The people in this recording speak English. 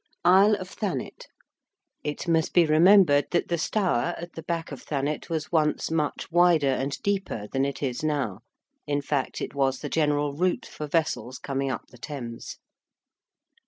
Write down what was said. ~Isle of Thanet~: it must be remembered that the Stour, at the back of Thanet, was once much wider and deeper than it is now. In fact, it was the general route for vessels coming up the Thames.